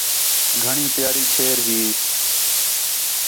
گھݨیں پیاری چھیر ہی